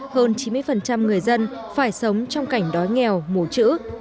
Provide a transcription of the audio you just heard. hơn chín mươi người dân phải sống trong cảnh đói nghèo mù chữ